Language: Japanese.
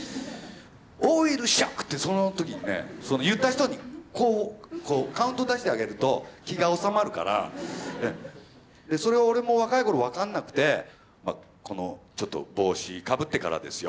「老いるショック！」ってその時にねその言った人にこうカウント出してあげると気が治まるからそれは俺も若い頃分かんなくてこのちょっと帽子かぶってからですよ。